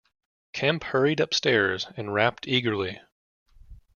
Kemp hurried upstairs and rapped eagerly.